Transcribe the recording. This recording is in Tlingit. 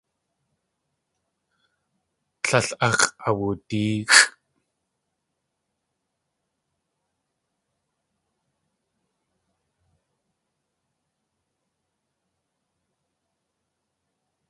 Tlél ax̲ʼawudéexʼ.